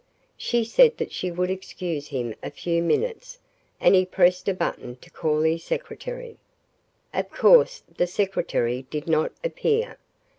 She said that she would excuse him a few minutes and he pressed a button to call his secretary. Of course the secretary did not appear.